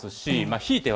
ひいては